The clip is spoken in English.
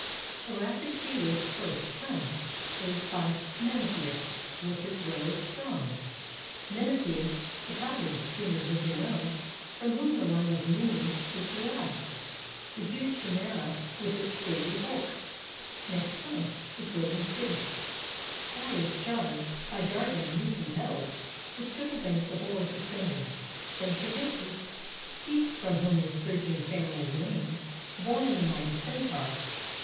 The rapid Sea wolf first Comes, urged by Mnestheus, with his rowers strong; Mnestheus, Italian soon in his renown ; From whom the line of Memmius is derived. The huge Chimaera with its stately bulk 235 ROME Next comes, a floating city, Gyas' charge. By Dardan youth impelled, with triple banks Of oars ascending. Then Sergestus, he From whom the Sergian family is named. Borne in the mighty Centaur.